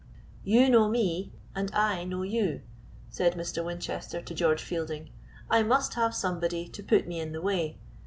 "You know me and I know you," said Mr. Winchester to George Fielding; "I must have somebody to put me in the way.